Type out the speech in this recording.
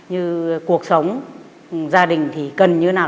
như cuộc sống gia đình thì cần như nào